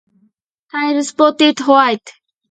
Tail spotted white.